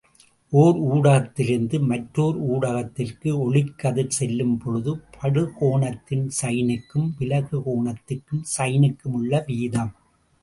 ஒர் ஊடகத்திலிருந்து மற்றோர் ஊடகத்திற்கு ஒளிக்கதிர் செல்லும் பொழுது படுகோணத்தின் சைனுக்கும் விலகு கோணத்தின் சைனுக்குமுள்ள வீதம்.